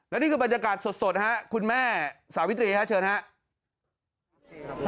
และนี่คือบรรยากาศสดนะครับคุณแม่สาวิตรีครับเชิญครับ